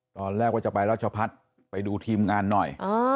ตอนแรกว่าจะไปรัชพัฒน์ไปดูทีมงานหน่อย